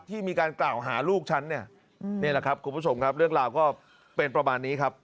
ที่มีการกล่าวหาลูกฉันเนี่ยนี่แหละครับคุณผู้ชมครับเรื่องราวก็เป็นประมาณนี้ครับ